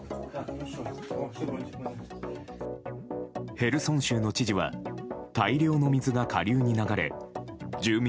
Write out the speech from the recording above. ヘルソン州の知事は大量の水が下流に流れ住民